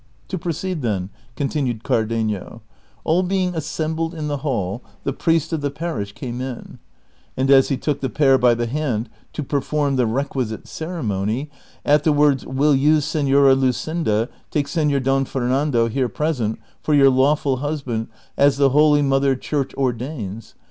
222 DON QUIXOTE. To proceed, then (continued Cardenio) : all being assembled in the hall, the priest of the parisli came in, and as he took the pair by the hand to perform the requisite ceremony, at the words, " Will you, Senora Luseinda, take Seiior Don Fernando, here present, for your lawful husband, as the holy Mother Church ordains